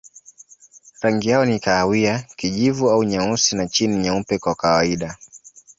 Rangi yao ni kahawia, kijivu au nyeusi na chini nyeupe kwa kawaida.